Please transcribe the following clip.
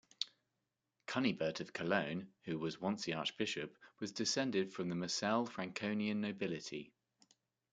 Cunibert of Cologne, who was once the Archbishop, was descended from the Moselle-Franconian nobility.